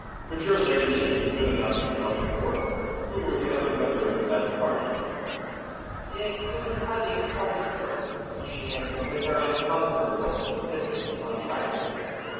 "Would your ladyship be good enough to tell the court who were the other members of that party?" "It it was hardly a party, sir," she answered, with her unconquerable insistence upon trifles.